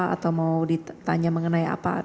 atau mau ditanya mengenai apa